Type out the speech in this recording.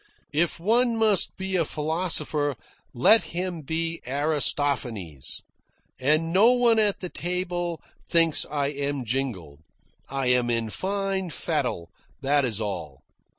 If one must be a philosopher, let him be Aristophanes. And no one at the table thinks I am jingled. I am in fine fettle, that is all.